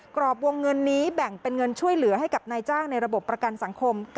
กรอบวงเงินนี้แบ่งเป็นเงินช่วยเหลือให้กับนายจ้างในระบบประกันสังคม